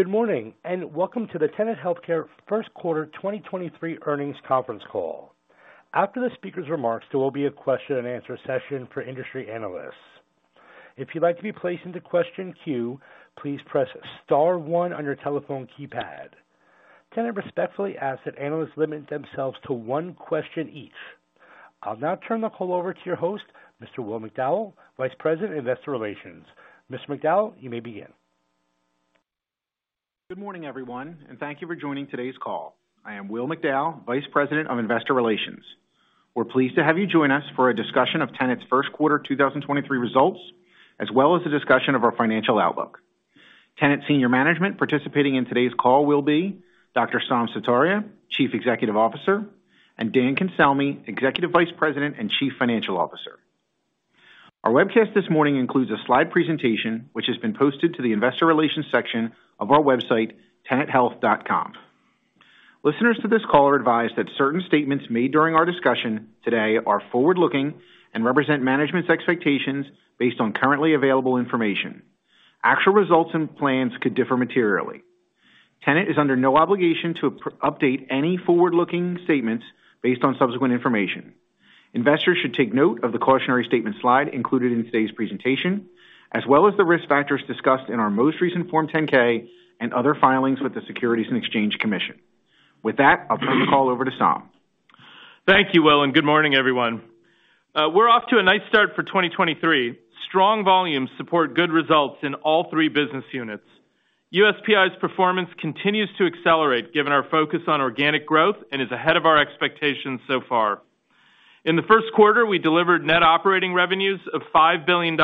Good morning, welcome to the Tenet Healthcare First Quarter 2023 Earnings Conference Call. After the speakers' remarks, there will be a question and answer session for industry analysts. If you'd like to be placed into question queue, please press star one on your telephone keypad. Tenet respectfully asks that analysts limit themselves to one question each. I'll now turn the call over to your host, Mr. Will McDowell, Vice President, Investor Relations. Mr. McDowell, you may begin. Good morning, everyone. Thank you for joining today's call. I am Will McDowell, Vice President of Investor Relations. We're pleased to have you join us for a discussion of Tenet's first quarter 2023 results, as well as the discussion of our financial outlook. Tenet senior management participating in today's call will be Dr. Saum Sutaria, Chief Executive Officer, and Dan Cancelmi, Executive Vice President and Chief Financial Officer. Our webcast this morning includes a slide presentation which has been posted to the investor relations section of our website, tenethealth.com. Listeners to this call are advised that certain statements made during our discussion today are forward-looking and represent management's expectations based on currently available information. Actual results and plans could differ materially. Tenet is under no obligation to update any forward-looking statements based on subsequent information. Investors should take note of the cautionary statement slide included in today's presentation, as well as the risk factors discussed in our most recent Form 10-K and other filings with the Securities and Exchange Commission. With that, I'll turn the call over to Saum. Thank you, Will. Good morning, everyone. We're off to a nice start for 2023. Strong volumes support good results in all three business units. USPI's performance continues to accelerate given our focus on organic growth and is ahead of our expectations so far. In the first quarter, we delivered net operating revenues of $5 billion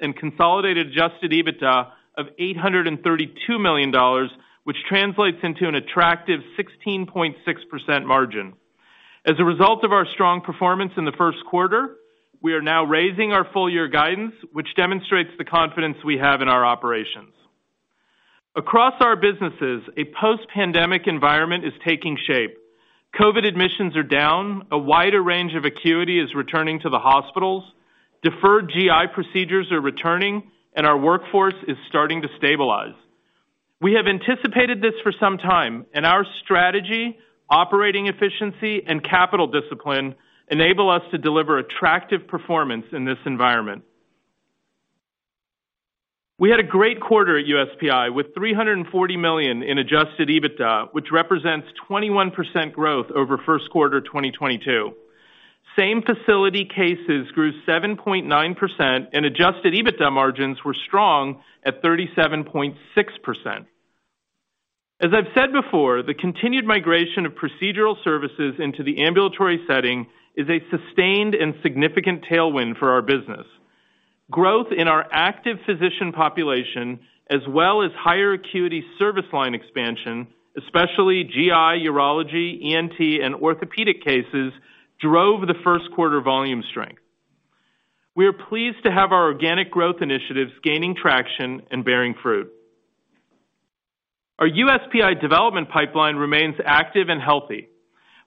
and consolidated adjusted EBITDA of $832 million, which translates into an attractive 16.6% margin. As a result of our strong performance in the first quarter, we are now raising our full year guidance, which demonstrates the confidence we have in our operations. Across our businesses, a post-pandemic environment is taking shape. COVID admissions are down, a wider range of acuity is returning to the hospitals, deferred GI procedures are returning, and our workforce is starting to stabilize. We have anticipated this for some time. Our strategy, operating efficiency, and capital discipline enable us to deliver attractive performance in this environment. We had a great quarter at USPI with $340 million in adjusted EBITDA, which represents 21% growth over first quarter 2022. Same facility cases grew 7.9%. Adjusted EBITDA margins were strong at 37.6%. As I've said before, the continued migration of procedural services into the ambulatory setting is a sustained and significant tailwind for our business. Growth in our active physician population as well as higher acuity service line expansion, especially GI, urology, ENT, and orthopedic cases, drove the first quarter volume strength. We are pleased to have our organic growth initiatives gaining traction and bearing fruit. Our USPI development pipeline remains active and healthy.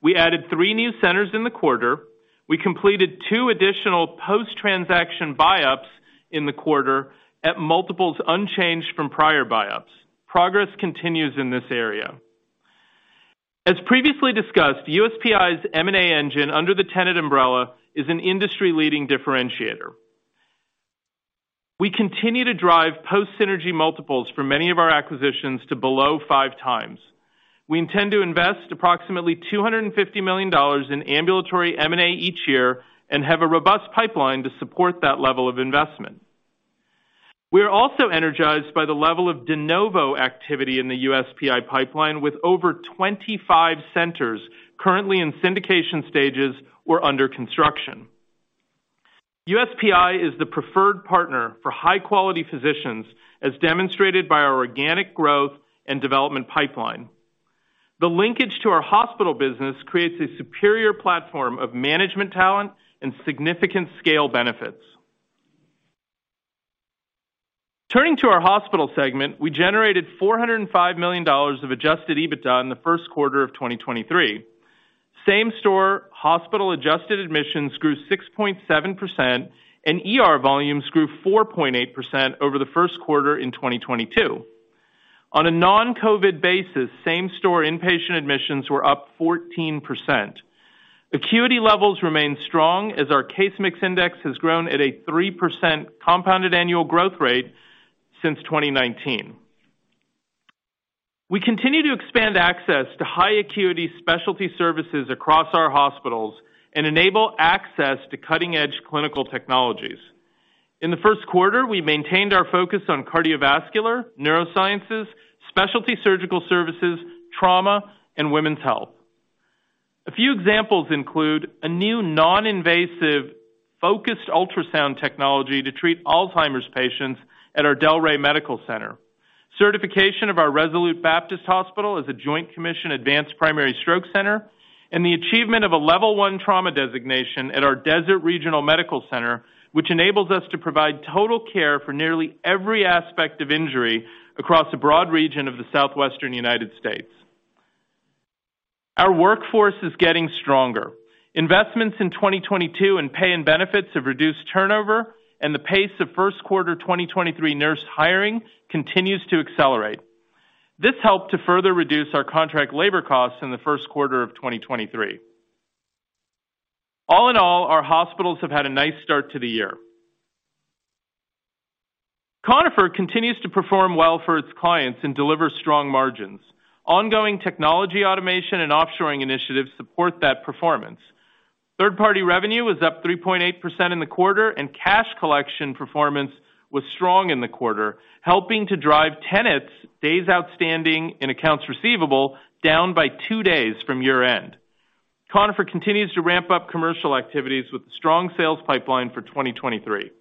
We added three new centers in the quarter. We completed two additional post-transaction buyups in the quarter at multiples unchanged from prior buyups. Progress continues in this area. As previously discussed, USPI's M&A engine under the Tenet umbrella is an industry-leading differentiator. We continue to drive post synergy multiples for many of our acquisitions to below 5x. We intend to invest approximately $250 million in ambulatory M&A each year and have a robust pipeline to support that level of investment. We are also energized by the level of de novo activity in the USPI pipeline with over 25 centers currently in syndication stages or under construction. USPI is the preferred partner for high-quality physicians, as demonstrated by our organic growth and development pipeline. The linkage to our hospital business creates a superior platform of management talent and significant scale benefits. Turning to our hospital segment, we generated $405 million of adjusted EBITDA in the first quarter of 2023. Same store hospital adjusted admissions grew 6.7%, and ER volumes grew 4.8% over the first quarter in 2022. On a non-COVID basis, same store inpatient admissions were up 14%. Acuity levels remain strong as our case mix index has grown at a 3% compounded annual growth rate since 2019. We continue to expand access to high acuity specialty services across our hospitals and enable access to cutting-edge clinical technologies. In the first quarter, we maintained our focus on cardiovascular, neurosciences, specialty surgical services, trauma, and women's health. A few examples include a new non-invasive focused ultrasound technology to treat Alzheimer's patients at our Delray Medical Center, certification of our Resolute Baptist Hospital as a Joint Commission Advanced Primary Stroke Center, and the achievement of a level one trauma designation at our Desert Regional Medical Center, which enables us to provide total care for nearly every aspect of injury across a broad region of the Southwestern United States. Our workforce is getting stronger. Investments in 2022 in pay and benefits have reduced turnover, and the pace of first quarter 2023 nurse hiring continues to accelerate. This helped to further reduce our contract labor costs in the first quarter of 2023. All in all, our hospitals have had a nice start to the year. Conifer continues to perform well for its clients and deliver strong margins. Ongoing technology automation and offshoring initiatives support that performance. Third-party revenue was up 3.8% in the quarter. Cash collection performance was strong in the quarter, helping to drive Tenet's days outstanding and accounts receivable down by two days from year-end. Conifer continues to ramp up commercial activities with strong sales pipeline for 2023.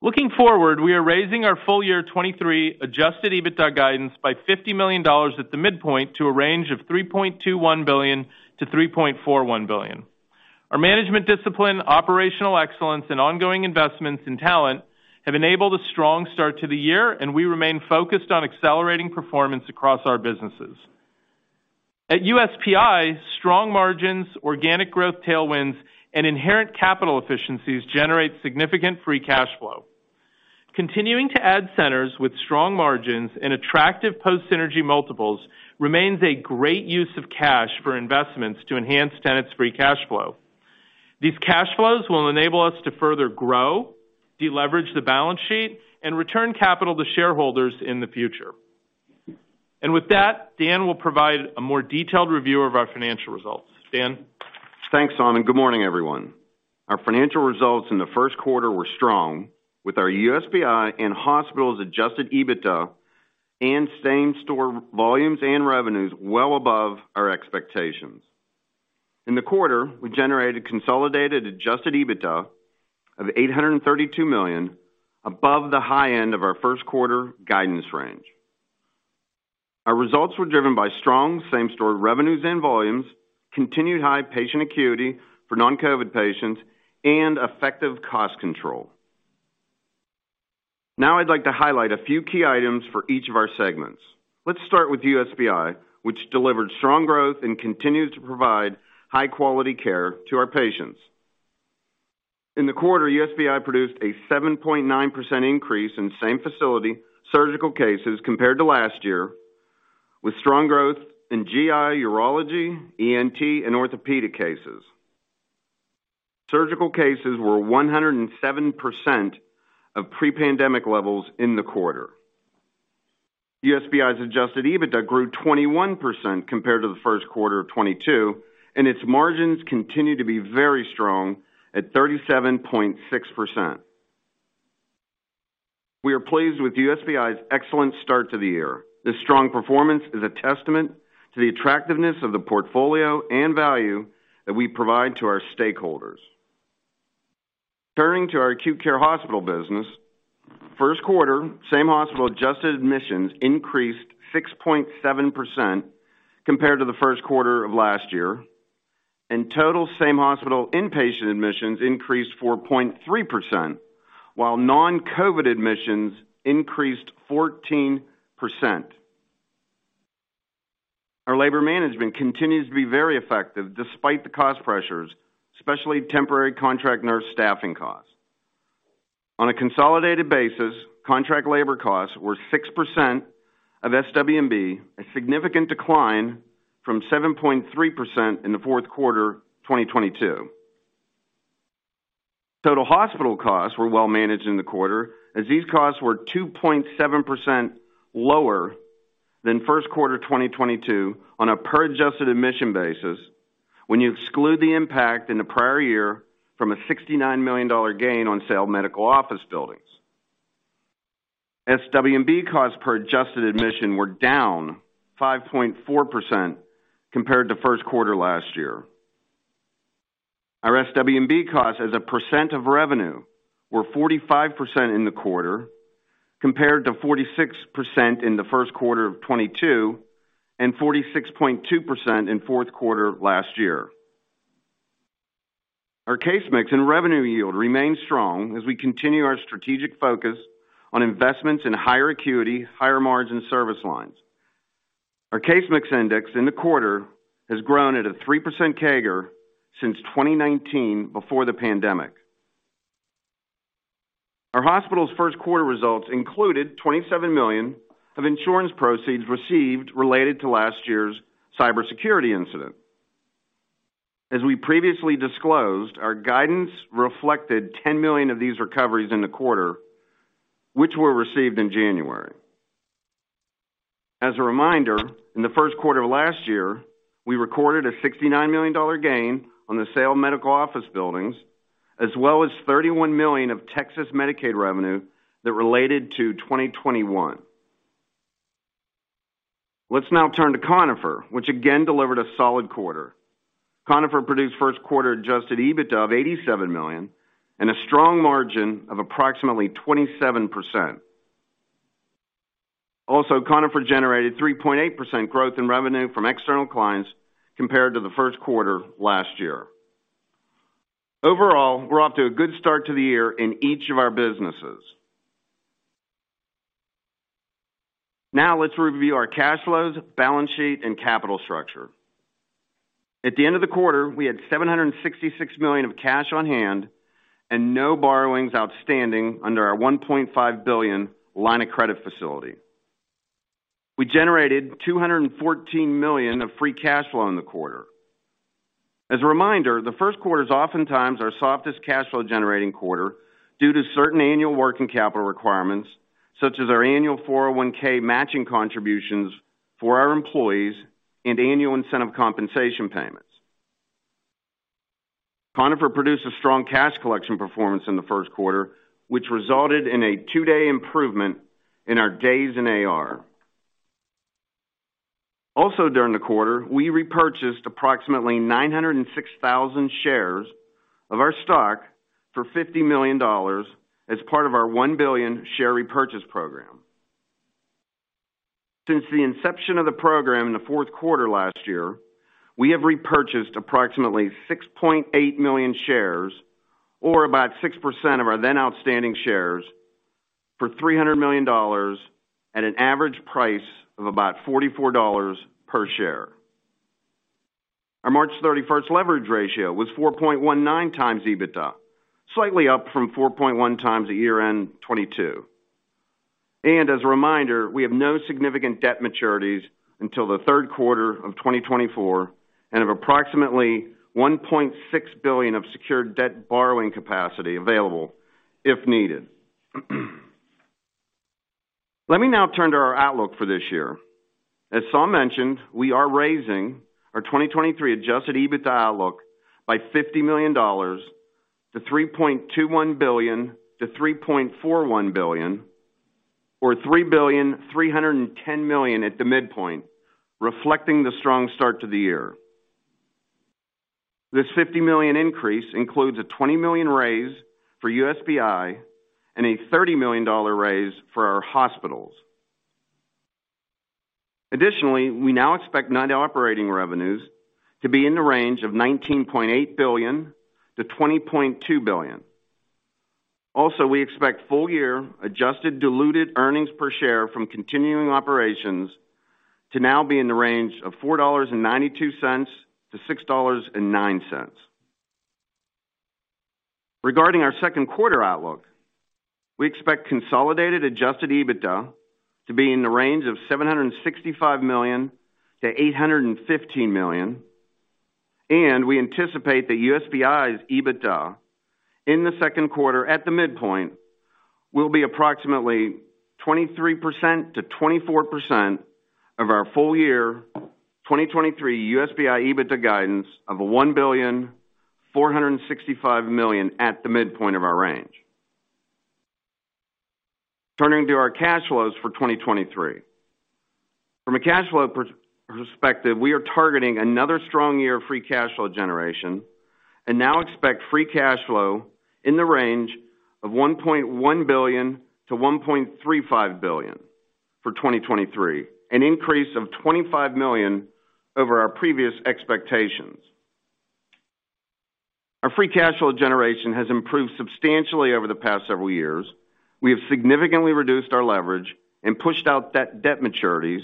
Looking forward, we are raising our full year 2023 adjusted EBITDA guidance by $50 million at the midpoint to a range of $3.21 billion-$3.41 billion. Our management discipline, operational excellence, and ongoing investments in talent have enabled a strong start to the year, and we remain focused on accelerating performance across our businesses. At USPI, strong margins, organic growth tailwinds, and inherent capital efficiencies generate significant free cash flow. Continuing to add centers with strong margins and attractive post synergy multiples remains a great use of cash for investments to enhance Tenet's free cash flow. These cash flows will enable us to further grow, deleverage the balance sheet, and return capital to shareholders in the future. With that, Dan will provide a more detailed review of our financial results. Dan? Thanks, Dan, good morning, everyone. Our financial results in the first quarter were strong with our USPI and hospitals adjusted EBITDA and same-store volumes and revenues well above our expectations. In the quarter, we generated consolidated adjusted EBITDA of $832 million above the high end of our first quarter guidance range. Our results were driven by strong same-store revenues and volumes, continued high patient acuity for non-COVID patients, and effective cost control. I'd like to highlight a few key items for each of our segments. Let's start with USPI, which delivered strong growth and continues to provide high-quality care to our patients. In the quarter, USPI produced a 7.9% increase in same-facility surgical cases compared to last year, with strong growth in GI, urology, ENT, and orthopedic cases. Surgical cases were 107% of pre-pandemic levels in the quarter. USPI's adjusted EBITDA grew 21% compared to the first quarter of 2022, and its margins continue to be very strong at 37.6%. We are pleased with USPI's excellent start to the year. This strong performance is a testament to the attractiveness of the portfolio and value that we provide to our stakeholders. Turning to our acute care hospital business. First quarter, same hospital adjusted admissions increased 6.7% compared to the first quarter of last year, and total same hospital inpatient admissions increased 4.3%, while non-COVID admissions increased 14%. Our labor management continues to be very effective despite the cost pressures, especially temporary contract nurse staffing costs. On a consolidated basis, contract labor costs were 6% of SWMB, a significant decline from 7.3% in the fourth quarter 2022. Total hospital costs were well managed in the quarter, as these costs were 2.7% lower than first quarter 2022 on a per adjusted admission basis when you exclude the impact in the prior year from a $69 million gain on sale of medical office buildings. SWMB costs per adjusted admission were down 5.4% compared to first quarter last year. Our SWMB costs as a percent of revenue were 45% in the quarter, compared to 46% in the first quarter of 2022, and 46.2% in fourth quarter last year. Our case mix and revenue yield remain strong as we continue our strategic focus on investments in higher acuity, higher margin service lines. Our case mix index in the quarter has grown at a 3% CAGR since 2019, before the pandemic. Our hospital's first quarter results included $27 million of insurance proceeds received related to last year's cybersecurity incident. As we previously disclosed, our guidance reflected $10 million of these recoveries in the quarter, which were received in January. As a reminder, in the first quarter of last year, we recorded a $69 million gain on the sale of medical office buildings, as well as $31 million of Texas Medicaid revenue that related to 2021. Let's now turn to Conifer, which again delivered a solid quarter. Conifer produced first quarter adjusted EBITDA of $87 million and a strong margin of approximately 27%. Conifer generated 3.8% growth in revenue from external clients compared to the first quarter last year. We're off to a good start to the year in each of our businesses. Let's review our cash flows, balance sheet, and capital structure. At the end of the quarter, we had $766 million of cash on hand and no borrowings outstanding under our $1.5 billion line of credit facility. We generated $214 million of free cash flow in the quarter. As a reminder, the first quarter is oftentimes our softest cash flow generating quarter due to certain annual working capital requirements, such as our Annual 401(k) matching contributions for our employees and annual incentive compensation payments. Conifer produced a strong cash collection performance in the first quarter, which resulted in a two-day improvement in our days in AR. During the quarter, we repurchased approximately 906,000 shares of our stock for $50 million as part of our $1 billion share repurchase program. Since the inception of the program in the fourth quarter last year, we have repurchased approximately 6.8 million shares, or about 6% of our then outstanding shares, for $300 million at an average price of about $44 per share. Our March 31st leverage ratio was 4.19x EBITDA, slightly up from 4.1x at year-end 2022. As a reminder, we have no significant debt maturities until the third quarter of 2024 and have approximately $1.6 billion of secured debt borrowing capacity available if needed. Let me now turn to our outlook for this year. As Saum mentioned, we are raising our 2023 adjusted EBITDA outlook by $50 million to $3.21 billion-$3.41 billion, or $3.31 billion at the midpoint, reflecting the strong start to the year. This $50 million increase includes a $20 million raise for USPI and a $30 million raise for our hospitals. We now expect non-operating revenues to be in the range of $19.8 billion-$20.2 billion. We expect full year adjusted diluted earnings per share from continuing operations to now be in the range of $4.92-$6.09. Regarding our second quarter outlook, we expect consolidated adjusted EBITDA to be in the range of $765 million-$815 million. We anticipate that USPI's EBITDA in the second quarter at the midpoint will be approximately 23%-24% of our full year 2023 USPI EBITDA guidance of $1.465 billion at the midpoint of our range. Turning to our cash flows for 2023. From a cash flow perspective, we are targeting another strong year of free cash flow generation and now expect free cash flow in the range of $1.1 billion-$1.35 billion for 2023, an increase of $25 million over our previous expectations. Our free cash flow generation has improved substantially over the past several years. We have significantly reduced our leverage and pushed out debt maturities,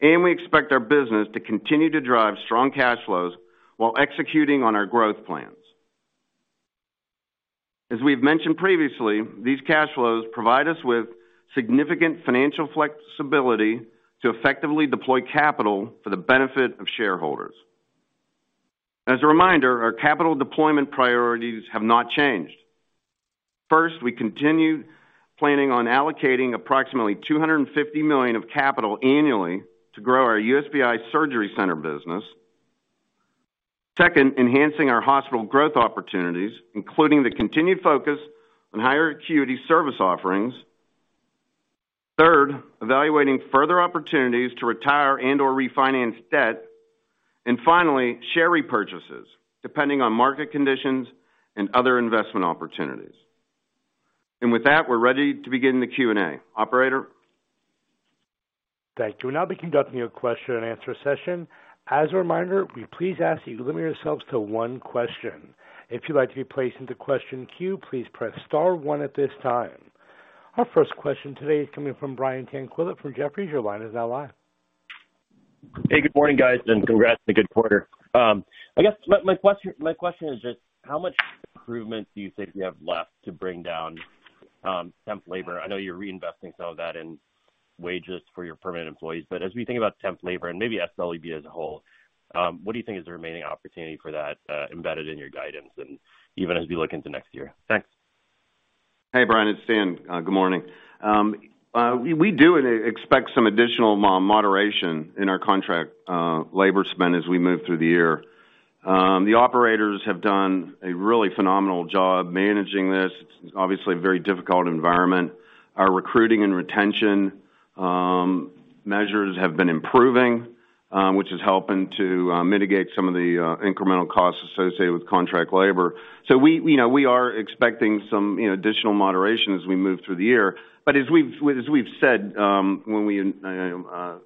and we expect our business to continue to drive strong cash flows while executing on our growth plans. As we've mentioned previously, these cash flows provide us with significant financial flexibility to effectively deploy capital for the benefit of shareholders. As a reminder, our capital deployment priorities have not changed. First, we continue planning on allocating approximately $250 million of capital annually to grow our USPI surgery center business. Second, enhancing our hospital growth opportunities, including the continued focus on higher acuity service offerings. Third, evaluating further opportunities to retire and/or refinance debt. Finally, share repurchases, depending on market conditions and other investment opportunities. With that, we're ready to begin the Q&A. Operator? Thank you. We'll now be conducting a question and answer session. As a reminder, we please ask that you limit yourselves to one question. If you'd like to be placed into question queue, please press star one at this time. Our first question today is coming from Brian Tanquilut from Jefferies. Your line is now live. Good morning, guys, congrats on a good quarter. I guess my question is just how much improvement do you think you have left to bring down temp labor? I know you're reinvesting some of that in wages for your permanent employees, as we think about temp labor and maybe SWMB as a whole, what do you think is the remaining opportunity for that embedded in your guidance and even as we look into next year? Thanks. Hey, Brian, it's Saum. Good morning. We do expect some additional moderation in our contract labor spend as we move through the year. The operators have done a really phenomenal job managing this. It's obviously a very difficult environment. Our recruiting and retention measures have been improving, which is helping to mitigate some of the incremental costs associated with contract labor. We, you know, we are expecting some additional moderation as we move through the year. As we've said, when we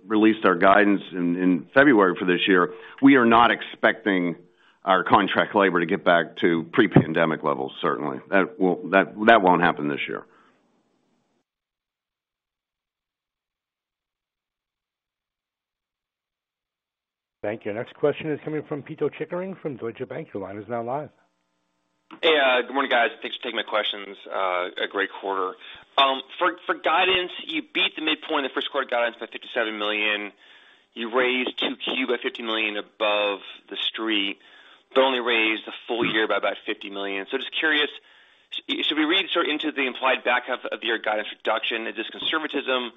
released our guidance in February for this year, we are not expecting our contract labor to get back to pre-pandemic levels, certainly. That won't happen this year. Thank you. Next question is coming from Pito Chickering from Deutsche Bank. Your line is now live. Hey, good morning, guys. Thanks for taking my questions. A great quarter. For guidance, you beat the midpoint of the first quarter guidance by $57 million. You raised 2Q by $50 million above the street, but only raised the full year by about $50 million. Just curious, should we read sort of into the implied back half of the year guidance reduction? Is this conservatism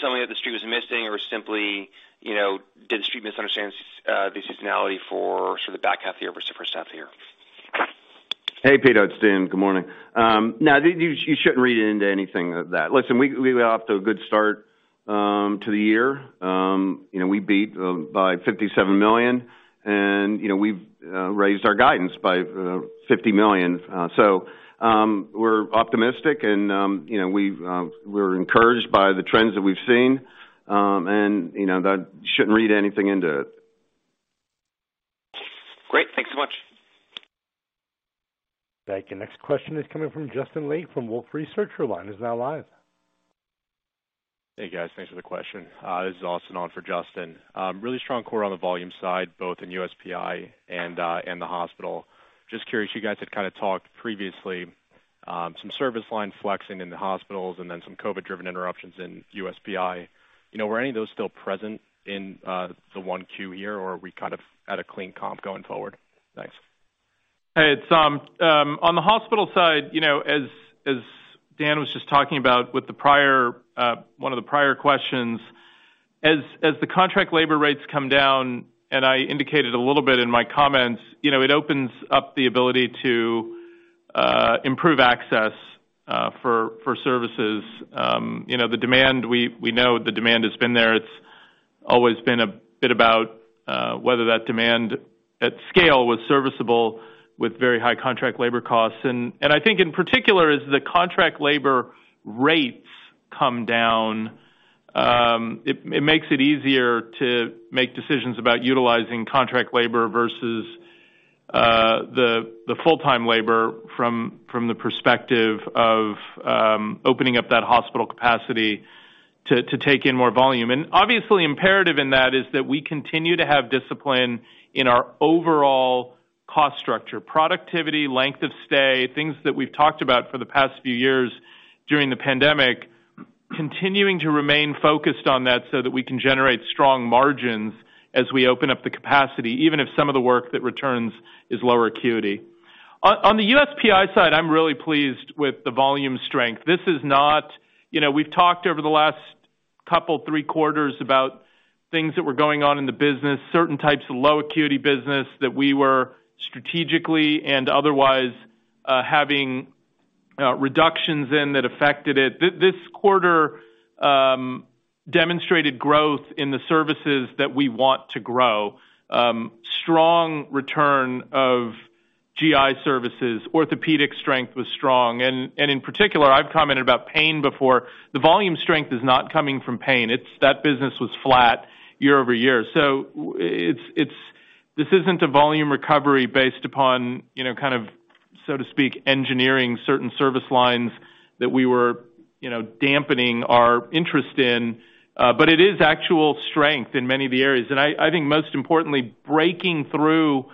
something that the street was missing? Simply, you know, did the street misunderstand the seasonality for sort of the back half of the year versus first half of the year? Hey, Pito, it's Dan. Good morning. No, you shouldn't read into anything of that. Listen, we were off to a good start to the year. You know, we beat by $57 million and, you know, we've raised our guidance by $50 million. We're optimistic and, you know, we're encouraged by the trends that we've seen, and, you know, that shouldn't read anything into it. Great. Thanks so much. Thank you. Next question is coming from Justin Lake from Wolfe Research. Your line is now live. Hey, guys. Thanks for the question. This is Austin on for Justin. Really strong quarter on the volume side, both in USPI and the hospital. Just curious, you guys had kinda talked previously, some service line flexing in the hospitals and then some COVID-driven interruptions in USPI. You know, were any of those still present in, the 1Q year, or are we kind of at a clean comp going forward? Thanks. Hey, it's on the hospital side, you know, as Dan was just talking about with the prior, one of the prior questions, as the contract labor rates come down, and I indicated a little bit in my comments, you know, it opens up the ability to improve access for services. You know, the demand, we know the demand has been there. It's always been a bit about whether that demand at scale was serviceable with very high contract labor costs. I think in particular, as the contract labor rates come down, it makes it easier to make decisions about utilizing contract labor versus the full-time labor from the perspective of opening up that hospital capacity to take in more volume. Obviously imperative in that is that we continue to have discipline in our overall cost structure. Productivity, length of stay, things that we've talked about for the past few years during the pandemic, continuing to remain focused on that so that we can generate strong margins as we open up the capacity, even if some of the work that returns is lower acuity. On the USPI side, I'm really pleased with the volume strength. You know, we've talked over the last two, three quarters about things that were going on in the business, certain types of low acuity business that we were strategically and otherwise, having reductions in that affected it. This quarter demonstrated growth in the services that we want to grow. Strong return of GI services. Orthopedic strength was strong. And in particular, I've commented about pain before. The volume strength is not coming from pain. That business was flat year-over-year. This isn't a volume recovery based upon, you know, kind of, so to speak, engineering certain service lines that we were, you know, dampening our interest in, but it is actual strength in many of the areas. I think most importantly, breaking through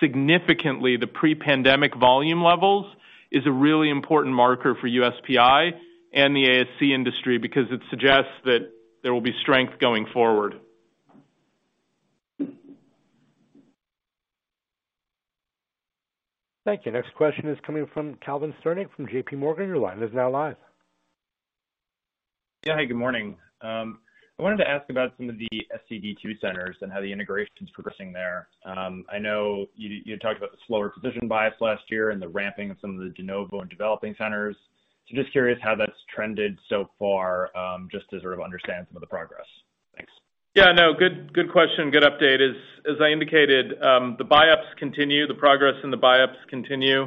significantly the pre-pandemic volume levels is a really important marker for USPI and the ASC industry because it suggests that there will be strength going forward. Thank you. Next question is coming from Calvin Sternick from JPMorgan. Your line is now live. Yeah. Hey, good morning. I wanted to ask about some of the SCD two centers and how the integration's progressing there. I know you had talked about the slower physician bias last year and the ramping of some of the de novo and developing centers. Just curious how that's trended so far, just to sort of understand some of the progress. Thanks. Yeah. No, good question. Good update. As I indicated, the buyups continue. The progress in the buyups continue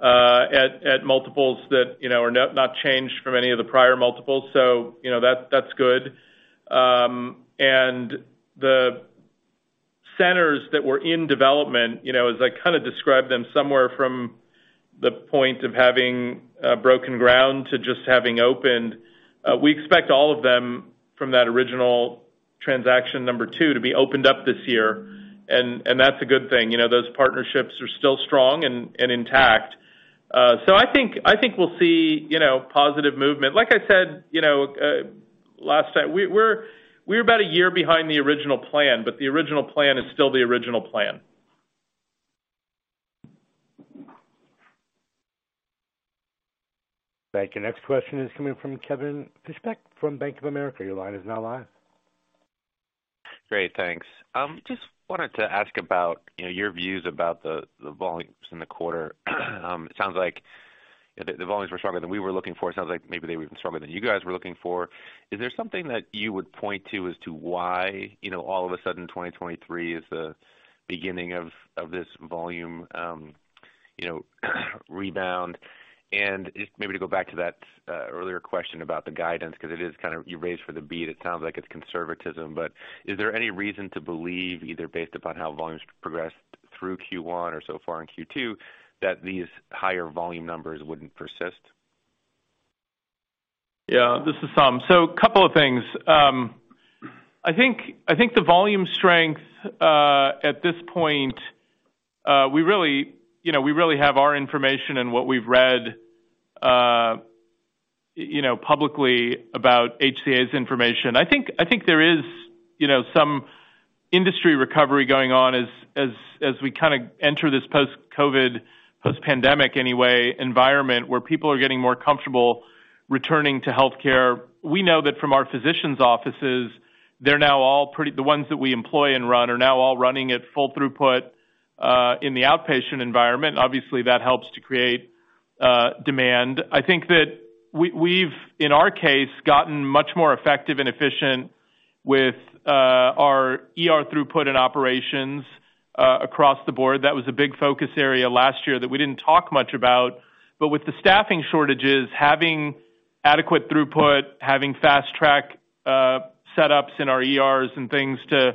at multiples that, you know, are not changed from any of the prior multiples, so, you know, that's good. And the centers that were in development, you know, as I kinda described them, somewhere from the point of having broken ground to just having opened, we expect all of them from that original transaction number two to be opened up this year, and that's a good thing. You know, those partnerships are still strong and intact. So I think we'll see, you know, positive movement. Like I said, you know, last time, we're about a year behind the original plan, but the original plan is still the original plan. Thank you. Next question is coming from Kevin Fischbeck from Bank of America. Your line is now live. Great. Thanks. Just wanted to ask about, you know, your views about the volumes in the quarter. It sounds like the volumes were stronger than we were looking for. It sounds like maybe they were even stronger than you guys were looking for. Is there something that you would point to as to why, you know, all of a sudden 2023 is the beginning of this volume, you know, rebound? Just maybe to go back to that earlier question about the guidance, because it is kind of you raised for the beat, it sounds like it's conservatism. Is there any reason to believe, either based upon how volumes progressed through Q1 or so far in Q2, that these higher volume numbers wouldn't persist? This is Saum. A couple of things. I think the volume strength, at this point, we really, you know, we really have our information and what we've read, you know, publicly about HCA's information. I think there is, you know, some industry recovery going on as we kinda enter this post-COVID, post-pandemic anyway, environment where people are getting more comfortable returning to healthcare. We know that from our physicians' offices, they're now all pretty the ones that we employ and run are now all running at full throughput, in the outpatient environment. Obviously, that helps to create demand. I think that we've, in our case, gotten much more effective and efficient with our ER throughput and operations, across the board. That was a big focus area last year that we didn't talk much about. With the staffing shortages, having adequate throughput, having Fast Track setups in our ERs and things to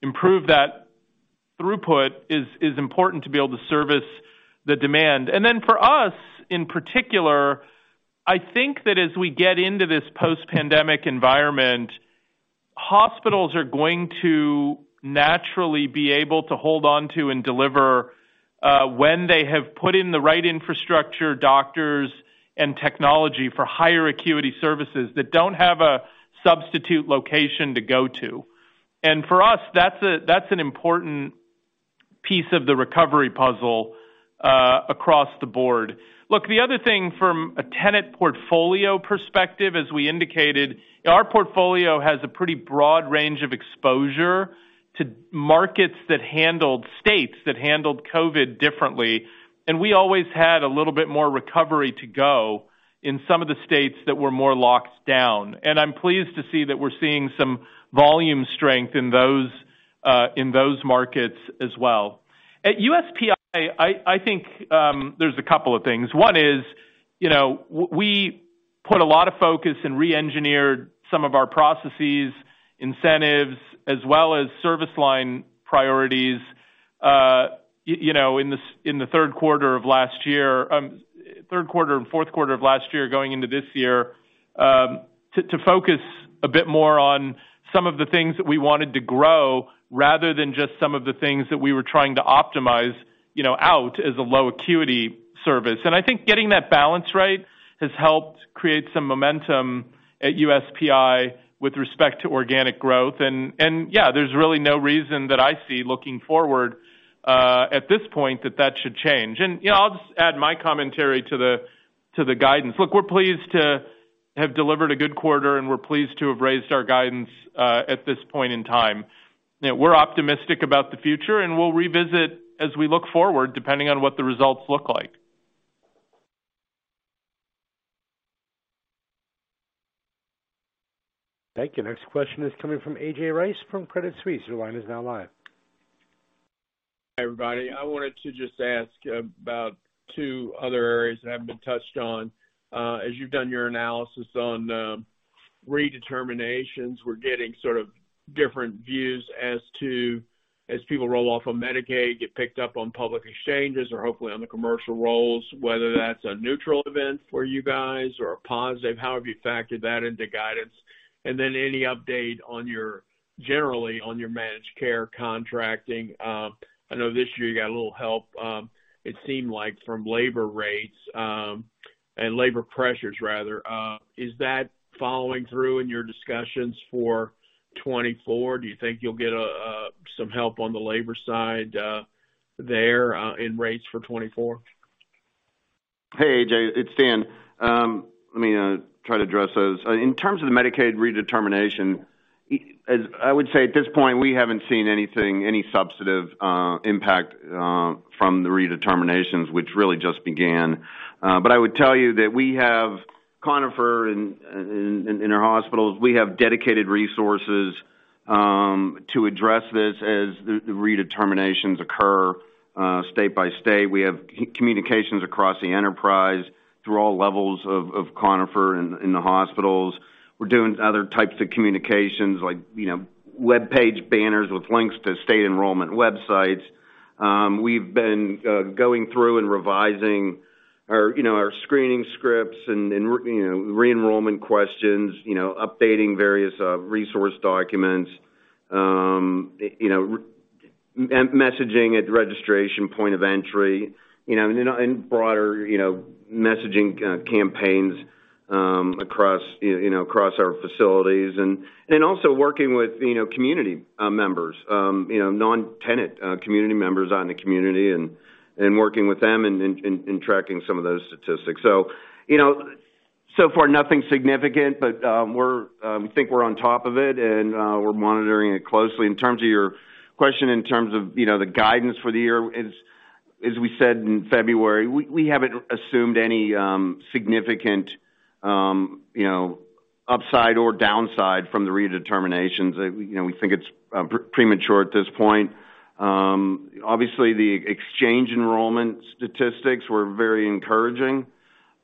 improve that throughput is important to be able to service the demand. Then for us, in particular, I think that as we get into this post-pandemic environment, hospitals are going to naturally be able to hold on to and deliver, when they have put in the right infrastructure, doctors, and technology for higher acuity services that don't have a substitute location to go to. For us, that's an important piece of the recovery puzzle across the board. Look, the other thing from a Tenet portfolio perspective, as we indicated, our portfolio has a pretty broad range of exposure to states that handled COVID differently, and we always had a little bit more recovery to go in some of the states that were more locked down. I'm pleased to see that we're seeing some volume strength in those in those markets as well. At USPI, I think, there's a couple of things. One is, you know, we put a lot of focus and reengineered some of our processes, incentives, as well as service line priorities, you know, in the third quarter of last year, third quarter and fourth quarter of last year, going into this year, to focus a bit more on some of the things that we wanted to grow, rather than just some of the things that we were trying to optimize, you know, out as a low acuity service. I think getting that balance right has helped create some momentum at USPI with respect to organic growth. Yeah, there's really no reason that I see looking forward at this point that that should change. You know, I'll just add my commentary to the guidance. Look, we're pleased to have delivered a good quarter, and we're pleased to have raised our guidance, at this point in time. You know, we're optimistic about the future, and we'll revisit as we look forward, depending on what the results look like. Thank you. Next question is coming from A.J. Rice from Credit Suisse. Your line is now live. Hey, everybody. I wanted to just ask about two other areas that haven't been touched on. As you've done your analysis on redeterminations, we're getting sort of different views as to as people roll off of Medicaid, get picked up on public exchanges or hopefully on the commercial rolls, whether that's a neutral event for you guys or a positive, however you factored that into guidance. Any update on your generally on your managed care contracting? I know this year you got a little help, it seemed like from labor rates and labor pressures rather. Is that following through in your discussions for 2024? Do you think you'll get some help on the labor side there in rates for 2024? Hey, A.J., it's Dan. Let me try to address those. In terms of the Medicaid redetermination, I would say at this point, we haven't seen anything, any substantive impact from the redeterminations, which really just began. I would tell you that we have Conifer in our hospitals. We have dedicated resources to address this as the redeterminations occur state by state. We have communications across the enterprise through all levels of Conifer in the hospitals. We're doing other types of communications like, you know, webpage banners with links to state enrollment websites. We've been going through and revising our, you know, our screening scripts and, you know, re-enrollment questions, you know, updating various resource documents. You know, messaging at registration point of entry. You know, broader, you know, messaging campaigns across, you know, across our facilities. Also working with, you know, community members, you know, non-Tenet community members out in the community and working with them and tracking some of those statistics. You know, so far, nothing significant, but we think we're on top of it and we're monitoring it closely. In terms of your question in terms of, you know, the guidance for the year is, as we said in February, we haven't assumed any significant, you know, upside or downside from the redeterminations. You know, we think it's premature at this point. Obviously the exchange enrollment statistics were very encouraging.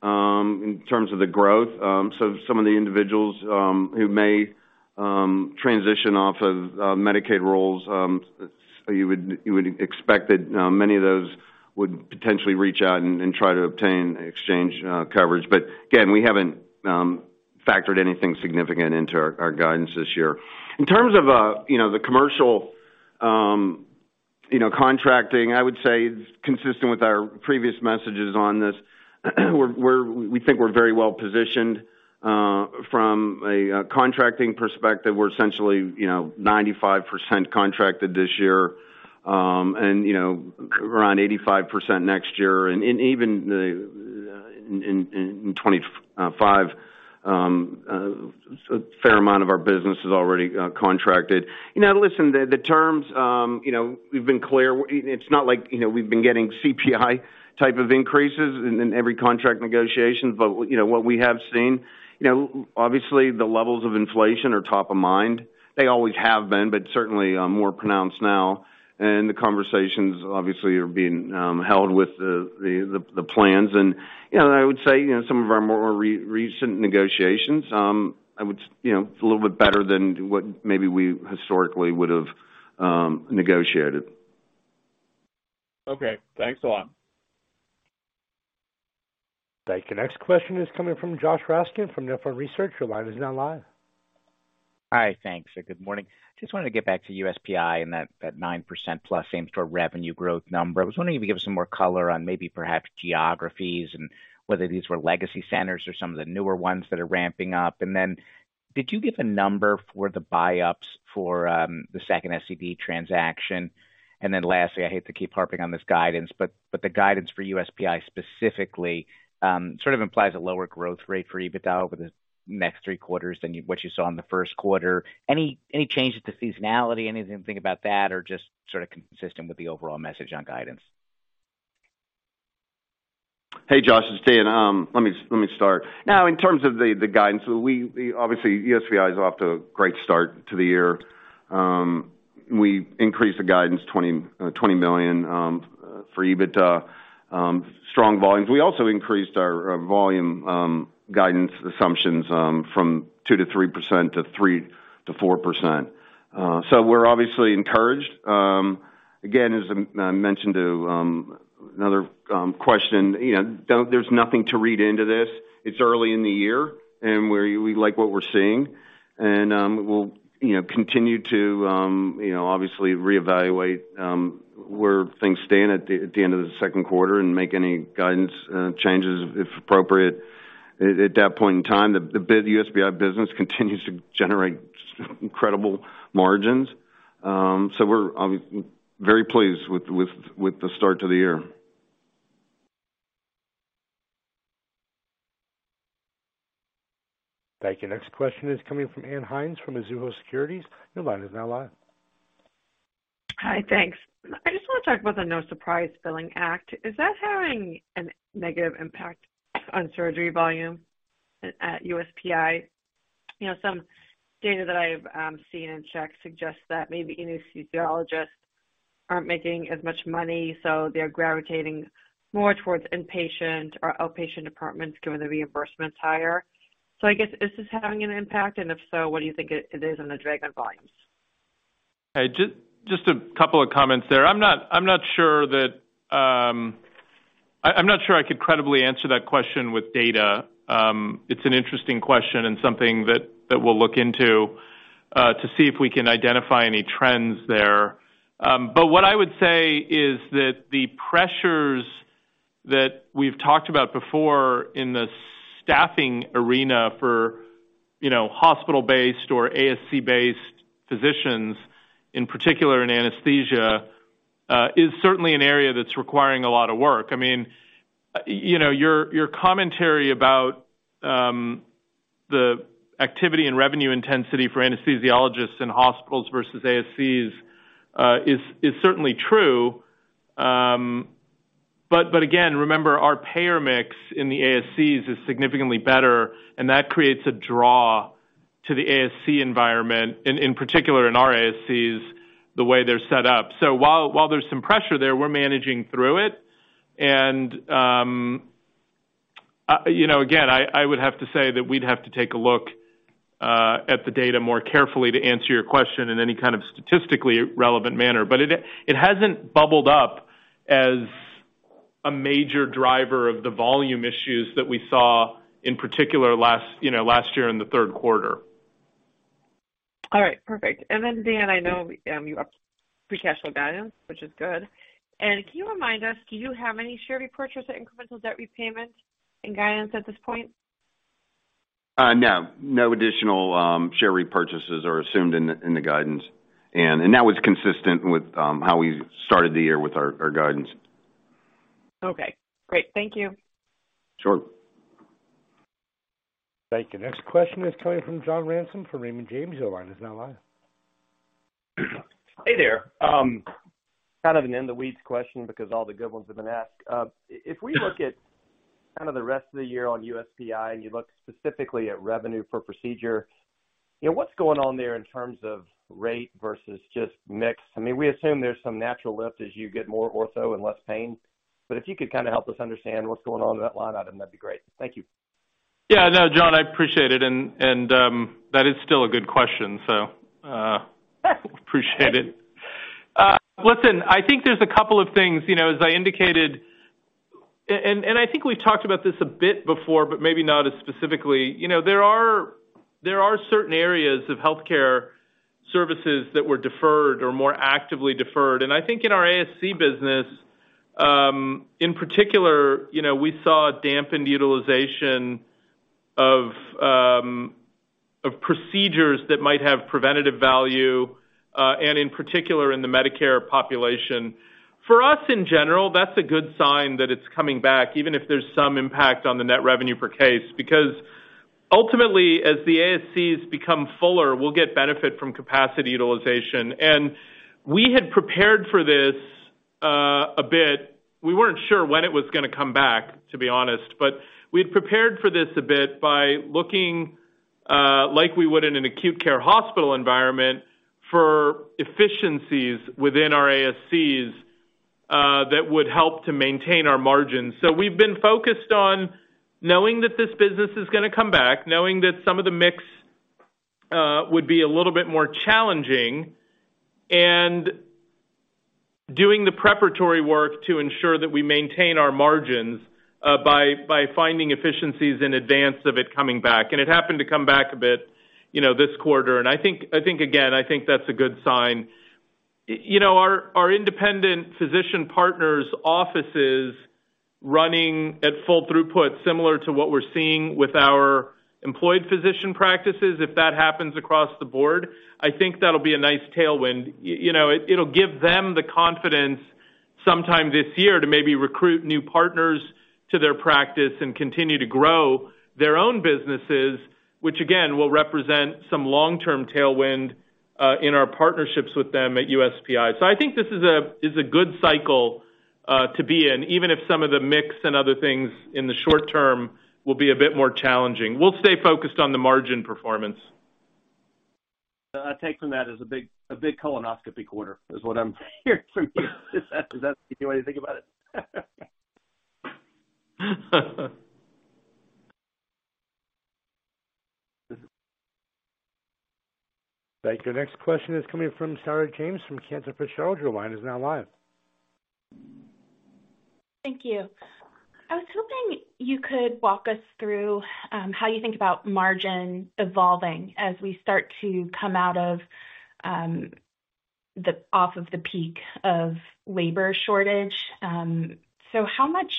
In terms of the growth, so some of the individuals, who may transition off of Medicaid roles, you would expect that many of those would potentially reach out and, and try to obtain exchange coverage. But again, we haven't factored anything significant into our guidance this year. In terms of, you know, the commercial, you know, contracting, I would say consistent with our previous messages on this, we're-- we think we're very well-positioned, from a contracting perspective. We're essentially, you know, 95% contracted this year, and, you know, around 85% next year. And even the-- in 2025, a fair amount of our business is already contracted. Listen, the terms, you know, we've been clear, it's not like, you know, we've been getting CPI type of increases in every contract negotiation. You know, what we have seen, you know, obviously the levels of inflation are top of mind. They always have been, but certainly more pronounced now. The conversations obviously are being held with the plans. You know, I would say, you know, some of our more recent negotiations, you know, it's a little bit better than what maybe we historically would've negotiated. Okay, thanks a lot. Thank you. Next question is coming from Josh Raskin from Nephron Research. Your line is now live. Hi. Thanks. Good morning. Just wanted to get back to USPI and that +9% same-store revenue growth number. I was wondering if you could give us some more color on maybe perhaps geographies and whether these were legacy centers or some of the newer ones that are ramping up. Did you give a number for the buyups for the second SCD transaction? Lastly, I hate to keep harping on this guidance, but the guidance for USPI specifically implies a lower growth rate for EBITDA over the next three quarters than what you saw in the first quarter. Any changes to seasonality, anything about that, or just sort of consistent with the overall message on guidance? Hey, Josh, it's Dan. Let me, let me start. Now, in terms of the guidance, obviously, USPI is off to a great start to the year. We increased the guidance $20 million for EBITDA, strong volumes. We also increased our volume guidance assumptions from 2%-3% to 3%-4%. We're obviously encouraged. Again, as I mentioned to another question, you know, there's nothing to read into this. It's early in the year, and we like what we're seeing. We'll, you know, continue to, you know, obviously reevaluate where things stand at the end of the second quarter and make any guidance changes if appropriate. At that point in time, the USPI business continues to generate incredible margins. We're very pleased with the start to the year. Thank you. Next question is coming from Ann Hynes from Mizuho Securities. Your line is now live. Hi, thanks. I just wanna talk about the No Surprise Billing Act. Is that having a negative impact on surgery volume at USPI? You know, some data that I've seen and checked suggests that maybe anesthesiologists aren't making as much money, so they're gravitating more towards inpatient or outpatient departments because the reimbursement is higher. I guess, is this having an impact? If so, what do you think it is on the drag on volumes? Just a couple of comments there. I'm not sure that I'm not sure I could credibly answer that question with data. It's an interesting question and something that we'll look into to see if we can identify any trends there. What I would say is that the pressures that we've talked about before in the staffing arena for, you know, hospital-based or ASC-based physicians, in particular in anesthesia, is certainly an area that's requiring a lot of work. I mean, you know, your commentary about the activity and revenue intensity for anesthesiologists in hospitals versus ASCs, is certainly true. Again, remember, our payer mix in the ASCs is significantly better, and that creates a draw to the ASC environment, in particular in our ASCs, the way they're set up. While there's some pressure there, we're managing through it. You know, again, I would have to say that we'd have to take a look at the data more carefully to answer your question in any kind of statistically relevant manner. It hasn't bubbled up as a major driver of the volume issues that we saw, in particular last, you know, last year in the third quarter. All right, perfect. Then Dan, I know, you upped free cash flow guidance, which is good. Can you remind us, do you have any share repurchase or incremental debt repayment in guidance at this point? No. No additional share repurchases are assumed in the guidance. That was consistent with how we started the year with our guidance. Okay, great. Thank you. Sure. Thank you. Next question is coming from John Ransom from Raymond James. Your line is now live. Hey there. Kind of an in the weeds question because all the good ones have been asked. If we look at kind of the rest of the year on USPI, and you look specifically at revenue per procedure? Yeah, what's going on there in terms of rate versus just mix? I mean, we assume there's some natural lift as you get more ortho and less pain, but if you could kind of help us understand what's going on in that line item, that'd be great. Thank you. Yeah, no, John, I appreciate it. That is still a good question, so appreciate it. Listen, I think there's a couple of things, you know, as I indicated, and I think we talked about this a bit before, but maybe not as specifically. You know, there are certain areas of healthcare services that were deferred or more actively deferred. I think in our ASC business, in particular, you know, we saw a dampened utilization of procedures that might have preventative value, and in particular in the Medicare population. For us, in general, that's a good sign that it's coming back, even if there's some impact on the net revenue per case. Ultimately, as the ASCs become fuller, we'll get benefit from capacity utilization. We had prepared for this a bit. We weren't sure when it was gonna come back, to be honest. We'd prepared for this a bit by looking, like we would in an acute care hospital environment for efficiencies within our ASCs, that would help to maintain our margins. We've been focused on knowing that this business is gonna come back, knowing that some of the mix, would be a little bit more challenging, and doing the preparatory work to ensure that we maintain our margins, by finding efficiencies in advance of it coming back. It happened to come back a bit, you know, this quarter. I think, again, I think that's a good sign. You know, our independent physician partners' offices running at full throughput, similar to what we're seeing with our employed physician practices, if that happens across the board, I think that'll be a nice tailwind. You know, it'll give them the confidence sometime this year to maybe recruit new partners to their practice and continue to grow their own businesses, which, again, will represent some long-term tailwind in our partnerships with them at USPI. I think this is a good cycle to be in, even if some of the mix and other things in the short term will be a bit more challenging. We'll stay focused on the margin performance. What I take from that is a big colonoscopy quarter, is what I'm hearing from you. Is that, is that the way you think about it? Thank you. Next question is coming from Sarah James from Cantor Fitzgerald. Your line is now live. Thank you. I was hoping you could walk us through how you think about margin evolving as we start to come out of the off of the peak of labor shortage. How much,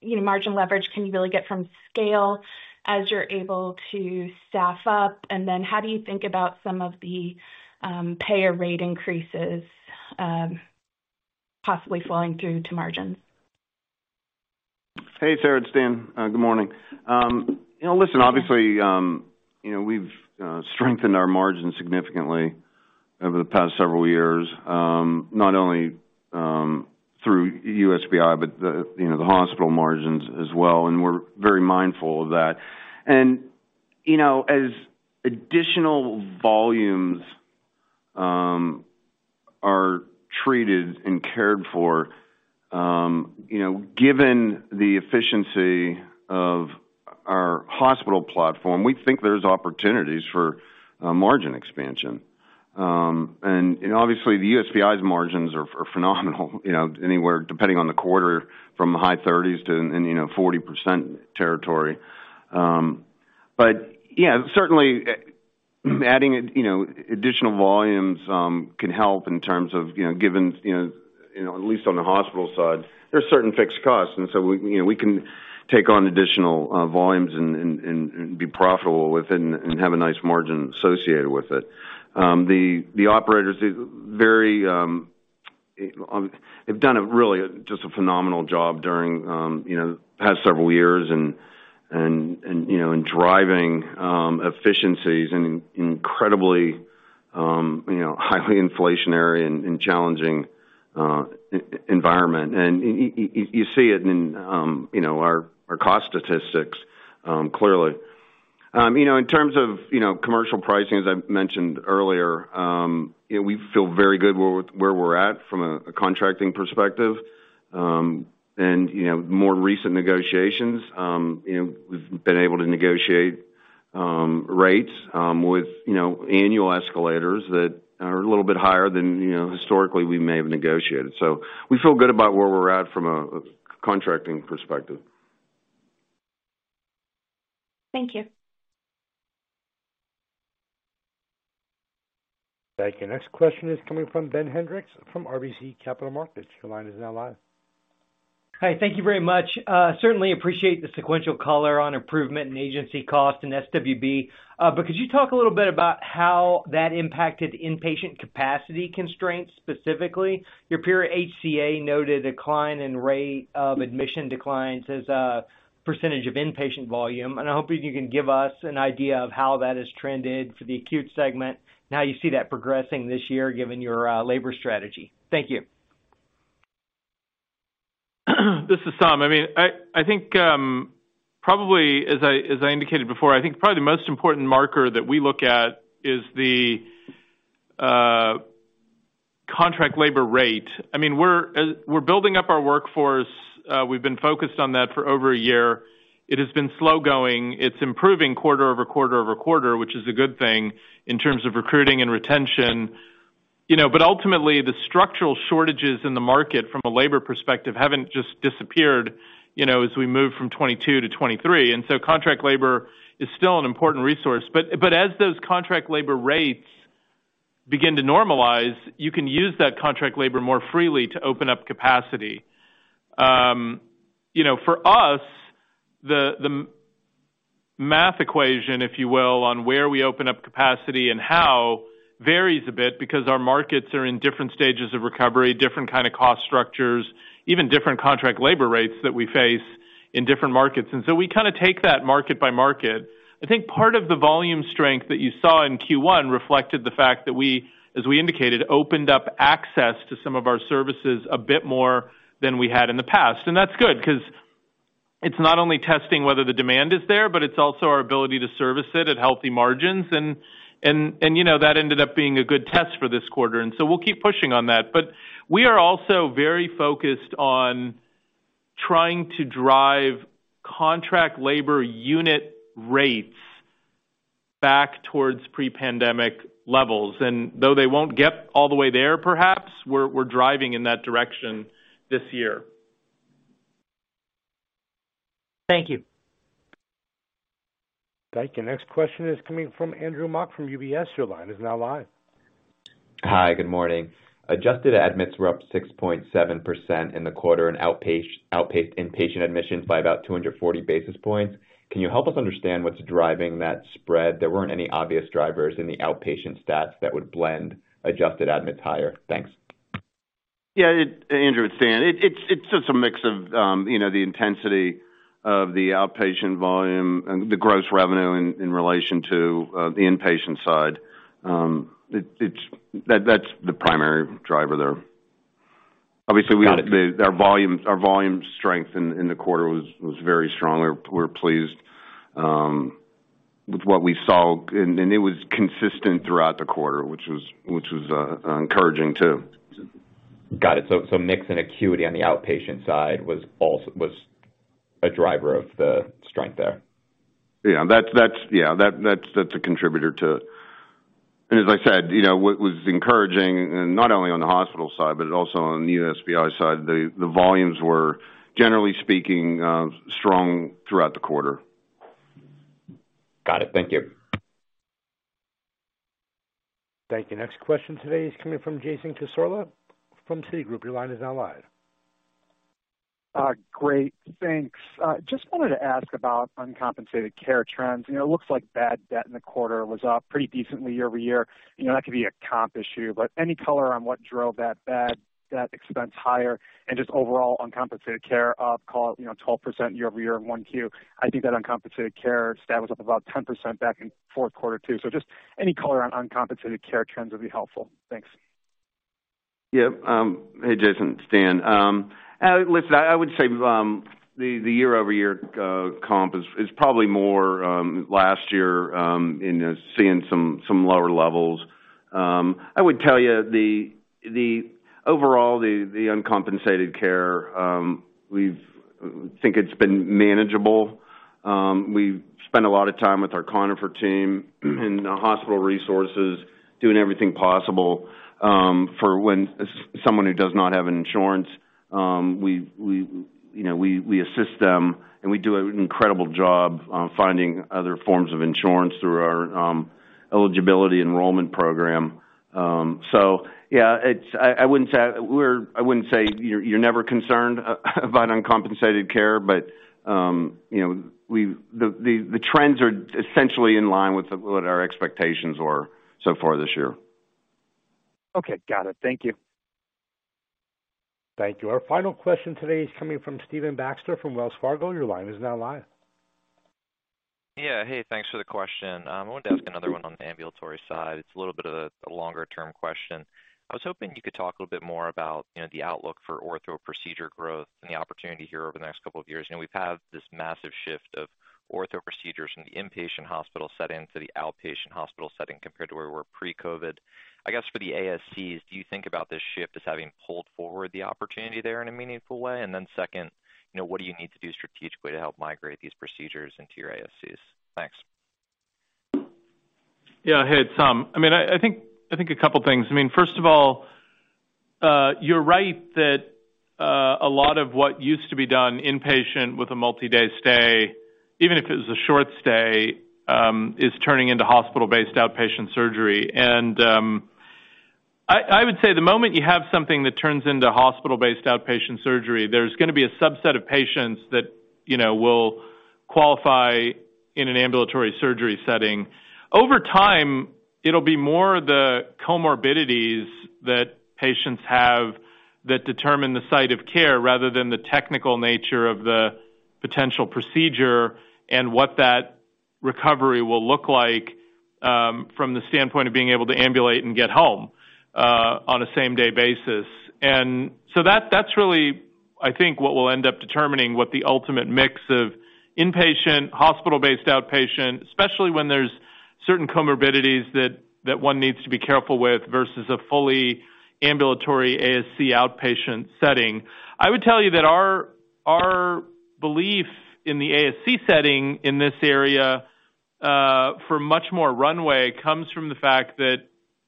you know, margin leverage can you really get from scale as you're able to staff up? How do you think about some of the payer rate increases possibly flowing through to margins? Hey, Sarah, it's Dan. Good morning. You know, listen, obviously, you know, we've strengthened our margins significantly over the past several years, not only through USPI, but the hospital margins as well, and we're very mindful of that. You know, as additional volumes are treated and cared for, you know, given the efficiency of our hospital platform, we think there's opportunities for margin expansion. You know, obviously the USPI's margins are phenomenal, you know, anywhere, depending on the quarter, from the high-30s to 40% territory. Yeah, certainly, adding, you know, additional volumes can help in terms of, you know, given, you know, at least on the hospital side, there are certain fixed costs. We, you know, we can take on additional volumes and be profitable with it and have a nice margin associated with it. The operators is very, have done a really just a phenomenal job during, you know, the past several years and, you know, in driving efficiencies in an incredibly, you know, highly inflationary and challenging environment. You see it in, you know, our cost statistics, clearly. You know, in terms of, you know, commercial pricing, as I mentioned earlier, you know, we feel very good where we're at from a contracting perspective. You know, more recent negotiations, you know, we've been able to negotiate rates with, you know, annual escalators that are a little bit higher than, you know, historically we may have negotiated. We feel good about where we're at from a contracting perspective. Thank you. Thank you. Next question is coming from Ben Hendrix from RBC Capital Markets. Your line is now live. Hi, thank you very much. Certainly appreciate the sequential color on improvement in agency cost and SWMB. Could you talk a little bit about how that impacted inpatient capacity constraints, specifically? Your peer HCA noted a decline in rate of admission declines as a percentage of inpatient volume. I'm hoping you can give us an idea of how that has trended for the acute segment and how you see that progressing this year, given your labor strategy. Thank you. This is Saum. I mean, I think probably as I indicated before, I think probably the most important marker that we look at is the contract labor rate. I mean, we're building up our workforce. We've been focused on that for over a year. It has been slow going. It's improving quarter over quarter over quarter, which is a good thing in terms of recruiting and retention. You know, ultimately, the structural shortages in the market from a labor perspective haven't just disappeared, you know, as we move from 2022 to 2023. Contract labor is still an important resource. But as those contract labor rates begin to normalize, you can use that contract labor more freely to open up capacity. you know, for us, the math equation, if you will, on where we open up capacity and how varies a bit because our markets are in different stages of recovery, different kind of cost structures, even different contract labor rates that we face in different markets. We kind of take that market by market. I think part of the volume strength that you saw in Q1 reflected the fact that we, as we indicated, opened up access to some of our services a bit more than we had in the past. That's good 'cause it's not only testing whether the demand is there, but it's also our ability to service it at healthy margins. you know, that ended up being a good test for this quarter, so we'll keep pushing on that. We are also very focused on trying to drive contract labor unit rates back towards pre-pandemic levels. Though they won't get all the way there, perhaps, we're driving in that direction this year. Thank you. Thank you. Next question is coming from Andrew Mok from UBS. Your line is now live. Hi, good morning. adjusted admissions were up 6.7% in the quarter and inpatient admissions by about 240 basis points. Can you help us understand what's driving that spread? There weren't any obvious drivers in the outpatient stats that would blend adjusted admissions higher. Thanks. Yeah, Andrew, it's Dan. It's just a mix of, you know, the intensity of the outpatient volume and the gross revenue in relation to the inpatient side. That's the primary driver there. Obviously, we-- Our volume strength in the quarter was very strong. We're pleased with what we saw, and it was consistent throughout the quarter, which was encouraging too. Got it. Mix and acuity on the outpatient side was a driver of the strength there. Yeah, that's a contributor to. As I said, you know, what was encouraging, and not only on the hospital side, but also on the USPI side, the volumes were, generally speaking, strong throughout the quarter. Got it. Thank you. Thank you. Next question today is coming from Jason Cassorla from Citigroup. Your line is now live. Great. Thanks. Just wanted to ask about uncompensated care trends. You know, it looks like bad debt in the quarter was up pretty decently year-over-year. You know, that could be a comp issue, but any color on what drove that bad debt expense higher and just overall uncompensated care up, call it, you know, 12% year-over-year in 1Q? I think that uncompensated care status was up about 10% back in fourth quarter too. Just any color on uncompensated care trends would be helpful. Thanks. Yeah. Hey, Jason, it's Dan. Listen, I would say, the year-over-year comp is probably more last year, in seeing some lower levels. I would tell you the overall uncompensated care, we think it's been manageable. We've spent a lot of time with our Conifer team and the hospital resources, doing everything possible, for when someone who does not have an insurance, we, you know, we assist them, and we do an incredible job on finding other forms of insurance through our eligibility enrollment program. Yeah, I wouldn't say you're never concerned about uncompensated care, but, you know, we've the trends are essentially in line with what our expectations were so far this year. Okay. Got it. Thank you. Thank you. Our final question today is coming from Stephen Baxter from Wells Fargo. Your line is now live. Yeah. Hey, thanks for the question. I wanted to ask another one on the ambulatory side. It's a little bit of a longer-term question. I was hoping you could talk a little bit more about, you know, the outlook for ortho procedure growth and the opportunity here over the next couple of years. You know, we've had this massive shift of ortho procedures from the inpatient hospital setting to the outpatient hospital setting compared to where we were pre-COVID. I guess for the ASCs, do you think about this shift as having pulled forward the opportunity there in a meaningful way? Second, you know, what do you need to do strategically to help migrate these procedures into your ASCs? Thanks. Yeah. Hey, it's Saum. I mean, I think a couple things. I mean, first of all, you're right that a lot of what used to be done inpatient with a multi-day stay, even if it was a short stay, is turning into hospital-based outpatient surgery. I would say the moment you have something that turns into hospital-based outpatient surgery, there's gonna be a subset of patients that, you know, will qualify in an ambulatory surgery setting. Over time, it'll be more the comorbidities that patients have that determine the site of care rather than the technical nature of the potential procedure and what that recovery will look like, from the standpoint of being able to ambulate and get home, on a same-day basis. That's really, I think, what will end up determining what the ultimate mix of inpatient, hospital-based outpatient, especially when there's certain comorbidities that one needs to be careful with versus a fully ambulatory ASC outpatient setting. I would tell you that our belief in the ASC setting in this area for much more runway comes from the fact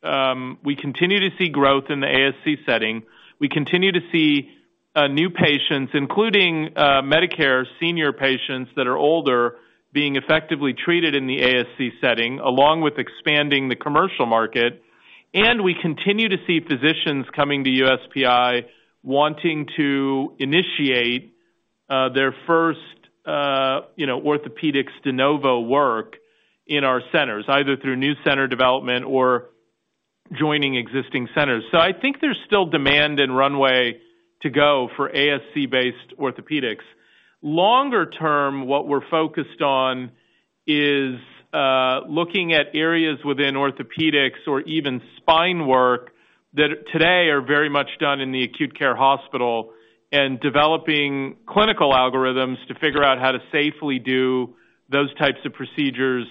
that we continue to see growth in the ASC setting. We continue to see new patients, including Medicare senior patients that are older, being effectively treated in the ASC setting, along with expanding the commercial market. We continue to see physicians coming to USPI wanting to initiate their first, you know, orthopedic de novo work in our centers, either through new center development or joining existing centers. I think there's still demand and runway to go for ASC-based orthopedics. Longer term, what we're focused on is looking at areas within orthopedics or even spine work that today are very much done in the acute care hospital, and developing clinical algorithms to figure out how to safely do those types of procedures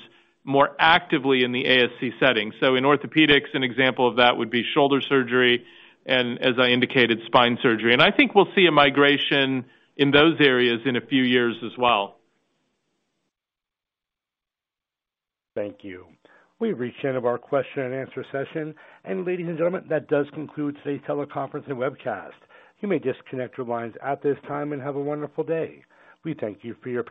more actively in the ASC setting. In orthopedics, an example of that would be shoulder surgery and, as I indicated, spine surgery. I think we'll see a migration in those areas in a few years as well. Thank you. We've reached the end of our question and answer session. Ladies and gentlemen, that does conclude today's teleconference and webcast. You may disconnect your lines at this time and have a wonderful day. We thank you for your participation.